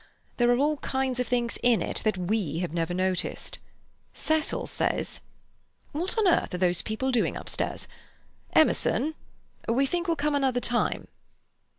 There are all kinds of things in it that we have never noticed. Cecil says—" "What on earth are those people doing upstairs? Emerson—we think we'll come another time."